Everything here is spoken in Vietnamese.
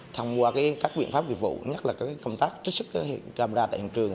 thông qua các biện pháp dịch vụ nhất là công tác trích sức gặp đà tại hình trường